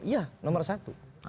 iya nomor satu